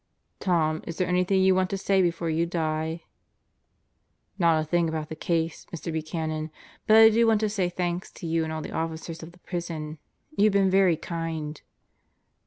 "Tom, is there anything you want to say before you die?" "Not a thing about the case, Mr. Buchanan. But I do want to say thanks to you and all the officers of the prison. You've been very kind."